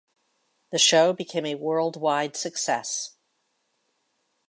The show became a worldwide success.